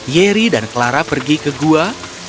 yeri dan clara pergi ke gua